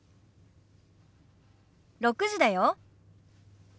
６時だよ。